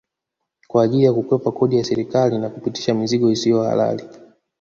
Kwa ajili ya kukwepa kodi ya serikali na kupitisha mizigo isiyo halali